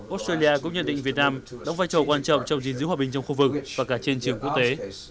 australia cũng nhận định việt nam đóng vai trò quan trọng trong gìn giữ hòa bình trong khu vực và cả trên trường quốc tế